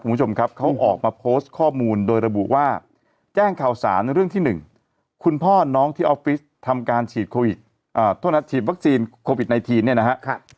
คุณผู้ชมครับเขาออกมาโพสต์ข้อมูลโดยระบุว่าแจ้งข่าวสารเรื่องที่๑คุณพ่อน้องที่ออฟฟิศทำการฉีดวัคซีนโควิด๑๙เนี่ยนะฮะ